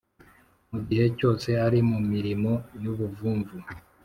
Mu gihe cyose ari mu mirimo y ubuvumvu